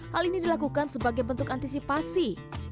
hal ini dilakukan sebagai bentuk antisipasi